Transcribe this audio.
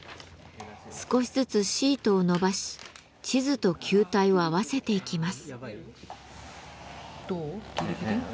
少しずつシートを伸ばし地図と球体を合わせていきます。